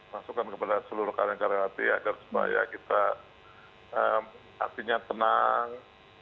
masukkan kepada seluruh lokal yang karyak hati agar semuanya kita hatinya tenang